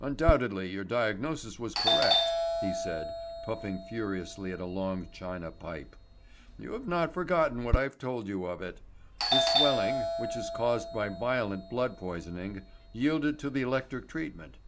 "Undoubtedly your diagnosis was correct," he said, puffing furiously at a long china pipe. "You have not forgotten what I told you of it. The swelling which is caused by violent blood poisoning yielded to the electric treatment.